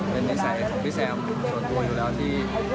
เป็นนิสัยของพี่แซมส่วนตัวอยู่แล้วที่